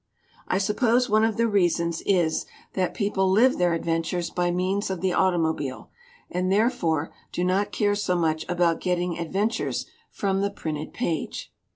"I suppose one of the reasons is that people live their adventures by means of the automobile, and therefore do not care so much about getting adventures from the printed page.